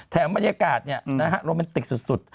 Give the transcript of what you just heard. บรรยากาศโรแมนติกสุด